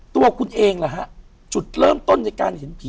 ตัวคุณเองล่ะฮะจุดเริ่มต้นในการเห็นผี